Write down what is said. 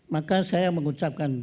maka saya mengucapkan